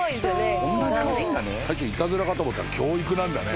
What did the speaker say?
最初いたずらかと思ったら教育なんだね。